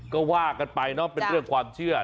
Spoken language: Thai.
ก็ว่ากันไปเนอะเป็นเรื่องความเชื่อ